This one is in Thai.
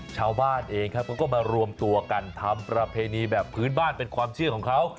ชาวบ้านเองครับเขาก็มารวมตัวกันทำประเพณีแบบพื้นบ้านเป็นความเชื่อของเขา